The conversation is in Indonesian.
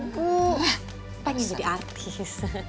bu pengen jadi artis